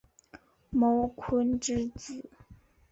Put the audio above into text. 茅坤之子。